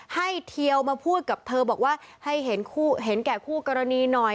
เทียวมาพูดกับเธอบอกว่าให้เห็นแก่คู่กรณีหน่อย